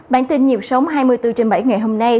bản tin nhiệp sống hai mươi bốn h bảy ngày hôm nay